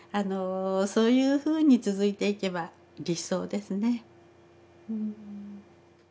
そういうふうに続いていけば理想ですね。